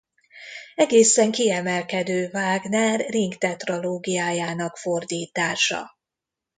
Egészen kiemelkedő Wagner Ring-tetralógiájának fordítása.